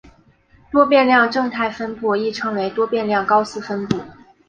多变量正态分布亦称为多变量高斯分布。